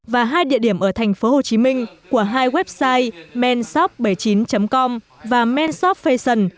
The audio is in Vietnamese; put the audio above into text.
và hai địa điểm ở thành phố hồ chí minh của hai website menshop bảy mươi chín com và menshop fashion